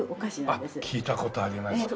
あっ聞いた事あります。